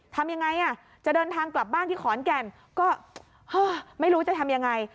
ทำยังไงอ่ะจะเดินทางกลับบ้านที่ขอนแก่นก็ไม่รู้จะทำยังไง